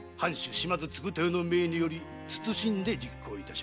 ・島津継豊の命により謹んで実行いたしました。